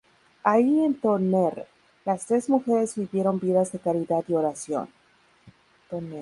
Allí en Tonnerre, las tres mujeres vivieron vidas de caridad y oración.